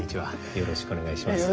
よろしくお願いします。